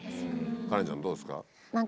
カレンちゃんどうですか？